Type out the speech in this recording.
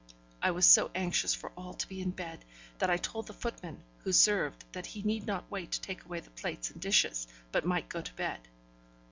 I was so anxious for all to be in bed, that I told the footman who served that he need not wait to take away the plates and dishes, but might go to bed.